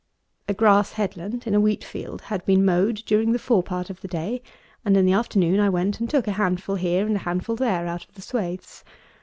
A grass head land, in a wheat field, had been mowed during the forepart of the day, and in the afternoon I went and took a handful here and a handful there out of the swaths.